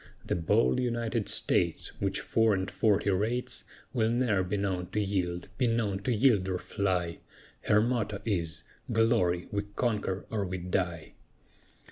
The bold United States, Which four and forty rates, Will ne'er be known to yield be known to yield or fly, Her motto is "Glory! we conquer or we die."